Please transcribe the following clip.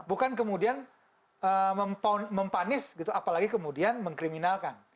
bukan kemudian mempanis gitu apalagi kemudian mengkriminalkan